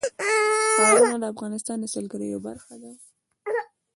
ښارونه د افغانستان د سیلګرۍ یوه برخه ده.